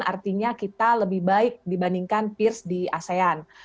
artinya kita lebih baik dibandingkan peers di asean